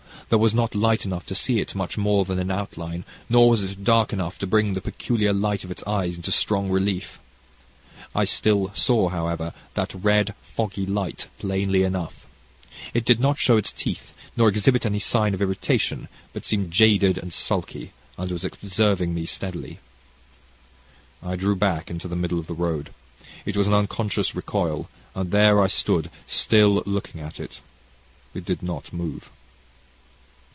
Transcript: There was not light enough to see it much more than in outline, nor was it dark enough to bring the peculiar light of its eyes into strong relief. I still saw, however, that red foggy light plainly enough. It did not show its teeth, nor exhibit any sign of irritation, but seemed jaded and sulky, and was observing me steadily. "I drew back into the middle of the road. It was an unconscious recoil, and there I stood, still looking at it. It did not move.